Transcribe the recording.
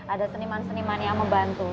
ada seniman seniman yang membantu